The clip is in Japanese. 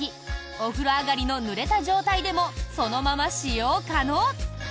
お風呂上がりのぬれた状態でもそのまま使用可能。